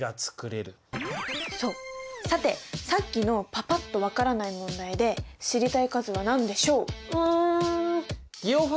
さてさっきのパパっと分からない問題で知りたい数は何でしょう？